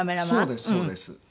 そうですそうです。